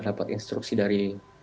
dapat instruksi dari